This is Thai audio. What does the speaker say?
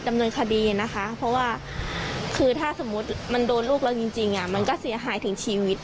อันนี้คือยังโชคดีแค่โดนแค่ร้าน